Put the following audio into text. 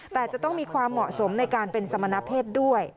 แต่จะต้องมีความเหมาะสมในการเป็นสมณเพศด้วย